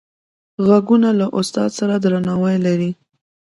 غوږونه له استاد سره درناوی لري